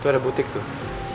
tuh ada butik tuh